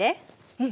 うん。